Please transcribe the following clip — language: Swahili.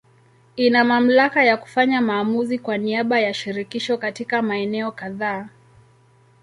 Ina mamlaka ya kufanya maamuzi kwa niaba ya Shirikisho katika maeneo kadhaa.